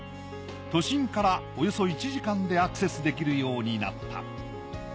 都心からおよそ１時間でアクセスできるようになった。